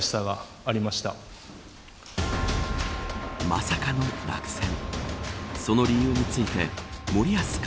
まさかの落選。